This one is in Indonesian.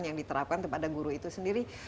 yang diterapkan kepada guru itu sendiri